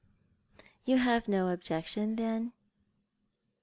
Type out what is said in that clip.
" You have no objection, then